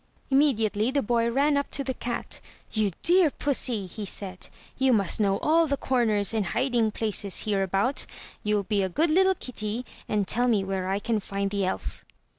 Immediately the boy ran up to the cat. "You dear pussy!" he said, "you must know all the comers and hiding places here MY BOOK HOUSE about! You'll be a good little kitty and tell me where I can find the elf."